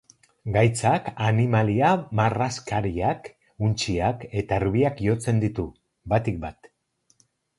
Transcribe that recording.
Gaitzak animalia marraskariak, untxiak eta erbiak jotzen ditu, batik bat.